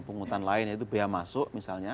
penghutang lain yaitu biaya masuk misalnya